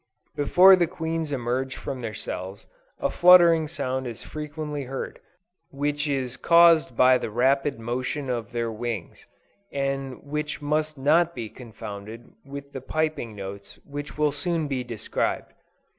Before the queens emerge from their cells, a fluttering sound is frequently heard, which is caused by the rapid motion of their wings, and which must not be confounded with the piping notes which will soon be described.